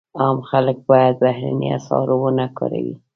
عام خلک باید بهرني اسعار ونه کاروي.